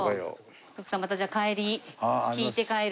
徳さんまたじゃあ帰り聴いて帰る。